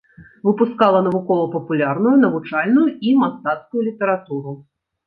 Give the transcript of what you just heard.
Выпускала навукова-папулярную, навучальную і мастацкую літаратуру.